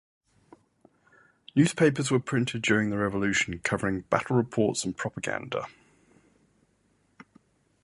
Newspapers were printed during the revolution covering battle reports and propaganda.